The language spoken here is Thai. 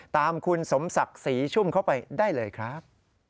ตามคุณสมศักดิ์ศรีชุ่มเข้าไปได้เลยครับ